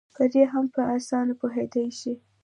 پرې هم په اسانه پوهېدی شي